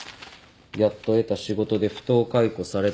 やっと得た仕事で不当解雇された。